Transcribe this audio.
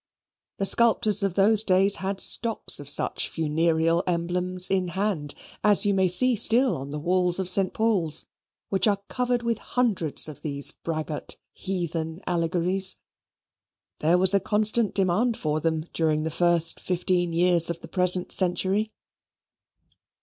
The sculptors of those days had stocks of such funereal emblems in hand; as you may see still on the walls of St. Paul's, which are covered with hundreds of these braggart heathen allegories. There was a constant demand for them during the first fifteen years of the present century.